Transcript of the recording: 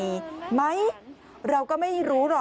กลับเข้ากันแล้วกัน